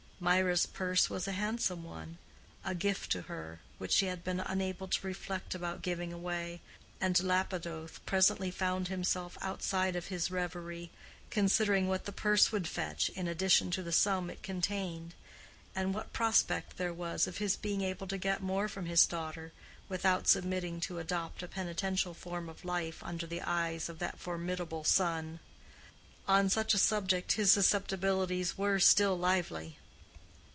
Mirah's purse was a handsome one—a gift to her, which she had been unable to reflect about giving away—and Lapidoth presently found himself outside of his reverie, considering what the purse would fetch in addition to the sum it contained, and what prospect there was of his being able to get more from his daughter without submitting to adopt a penitential form of life under the eyes of that formidable son. On such a subject his susceptibilities were still lively.